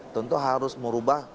tentu harus merubah